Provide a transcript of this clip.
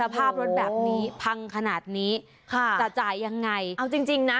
ภาพรถแบบนี้พังขนาดนี้ค่ะจะจ่ายยังไงเอาจริงจริงนะ